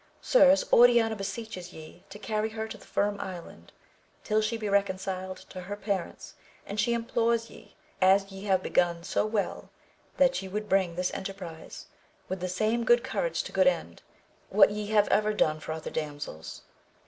Sirs, Oriana beseeches ye to carry her to the Firm Island, till she be reconciled to her parents, and she implores ye as ye have begun so well, that ye would bring this enterprize with the same good courage to good end, and do for her what ye have ever done for other damsels.